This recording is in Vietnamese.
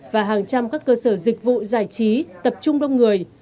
và hàng trăm các cơ sở dịch vụ giải trí tập trung đông người